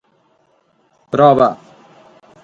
E lis aiat inditadu totu.